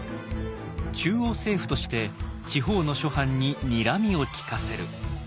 中央政府として地方の諸藩ににらみを利かせる。